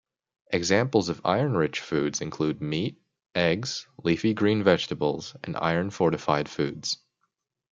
Examples of iron-rich foods include meat, eggs, leafy green vegetables and iron-fortified foods.